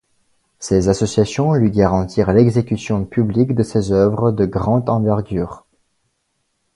Ces associations lui garantirent l'exécution publique de ses œuvres de grande envergure.